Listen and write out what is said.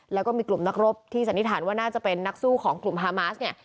แล้วก็มีกลุ่มนักรบที่สันนิษฐานว่าน่าจะเป็นนักสู้ของกลุ่มฮามาสเนี่ย